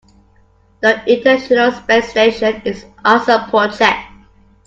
The international space station is an awesome project.